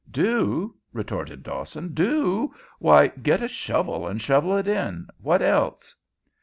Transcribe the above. "Do?" retorted Dawson. "Do? Why, get a shovel and shovel it in. What else?"